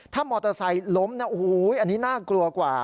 ถ้ามอเตอร์ไซค์ล้มนะโอ้โหอันนี้น่ากลัวกว่า